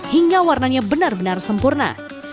hingga warnanya benar benar sempurna